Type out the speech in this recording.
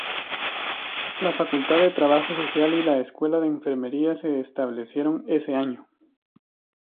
La Facultad de Trabajo Social y la Escuela de Enfermería se establecieron ese año.